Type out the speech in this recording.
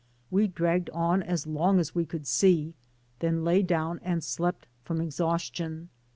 We dragged on as long as we could see; then lay down and slept from exhaustion.